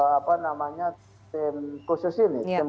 apa namanya tim khusus ini